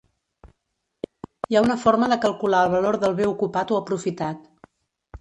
Hi ha una forma de calcular el valor del bé ocupat o aprofitat.